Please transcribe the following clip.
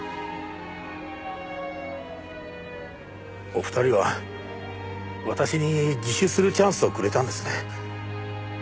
お二人は私に自首するチャンスをくれたんですね。